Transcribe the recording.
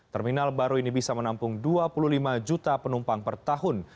terminal baru ini bisa menampung dua puluh lima juta penumpang per tahun